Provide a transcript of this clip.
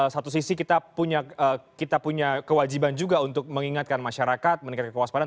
satu sisi kita punya kewajiban juga untuk mengingatkan masyarakat meningkatkan kewaspadaan